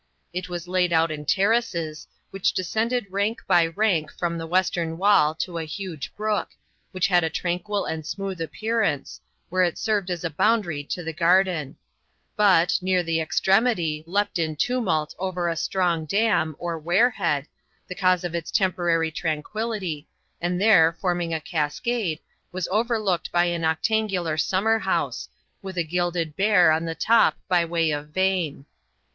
It was laid out in terraces, which descended rank by rank from the western wall to a large brook, which had a tranquil and smooth appearance, where it served as a boundary to the garden; but, near the extremity, leapt in tumult over a strong dam, or wear head, the cause of its temporary tranquillity, and there forming a cascade, was overlooked by an octangular summer house, with a gilded bear on the top by way of vane.